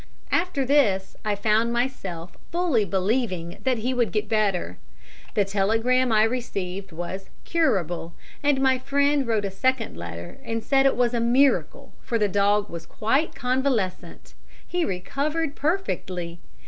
After this I found myself fully believing that he would get better. The telegram I received was "Curable," and my friend wrote a second letter and said it was a miracle, for the dog was quite convalescent. He recovered perfectly.